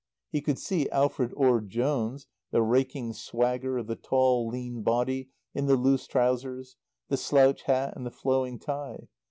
He could see Alfred Orde Jones the raking swagger of the tall lean body in the loose trousers, the slouch hat and the flowing tie.